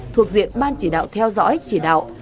thuộc diện ban chỉ đạo theo dõi chỉ đạo